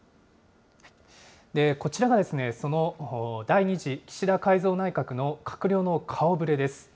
こちらが、その第２次岸田改造内閣の閣僚の顔ぶれです。